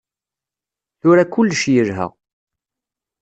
Tura kullec yelha.